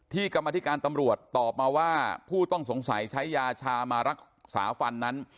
กรรมธิการตำรวจตอบมาว่าผู้ต้องสงสัยใช้ยาชามารักษาฟันนั้น